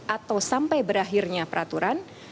atau sampai berakhirnya peraturan